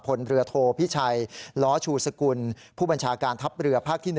พลเรือโทพิชัยล้อชูสกุลผู้บัญชาการทัพเรือภาคที่๑